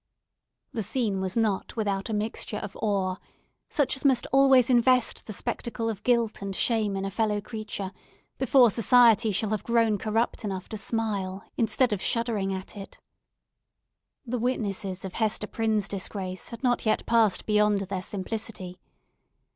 The scene was not without a mixture of awe, such as must always invest the spectacle of guilt and shame in a fellow creature, before society shall have grown corrupt enough to smile, instead of shuddering at it. The witnesses of Hester Prynne's disgrace had not yet passed beyond their simplicity.